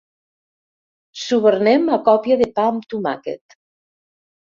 Subornem a còpia de pa amb tomàquet.